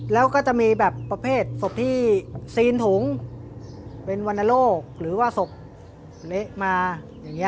แล้วก็จะมีแบบประเภทศพที่ซีนถุงเป็นวรรณโรคหรือว่าศพเละมาอย่างนี้